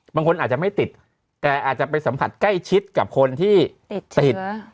บางคนอาจจะไม่ติดแต่อาจจะไปสัมผัสใกล้ชิดกับคนที่ติด